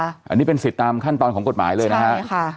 อันนี้เป็นสิทธิ์ตามขั้นตอนของกฎหมายเลยนะฮะใช่ค่ะ